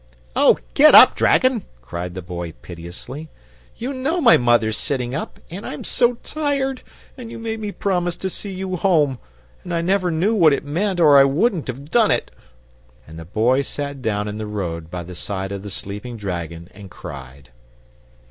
"Oh, GET up, dragon," cried the Boy, piteously. "You KNEW my mother's sitting up, and I'm so tired, and you made me promise to see you home, and I never knew what it meant or I wouldn't have done it!" And the Boy sat down in the road by the side of the sleeping dragon, and cried.